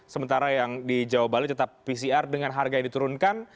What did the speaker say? sementara yang di jawa bali tetap pcr dengan harga yang diturunkan